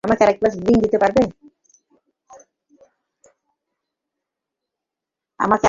আমাকে আরেক glass drink দিতে পারবে?